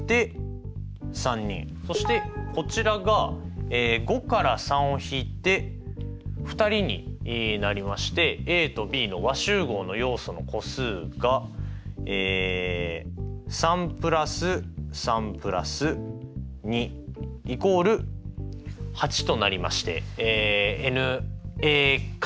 そしてこちらが５から３を引いて２人になりましてＡとＢの和集合の要素の個数がとなりましてｎ＝８です。